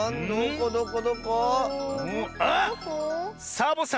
サボさん